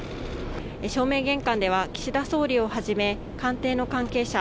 正面玄関では岸田総理をはじめ官邸の関係者